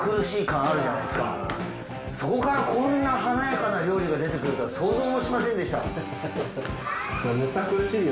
そこからこんな華やかな料理が出てくるとは想像もしませんでした。